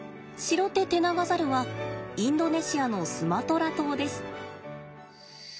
シロテテナガザルはインドネシアのスマトラ島です。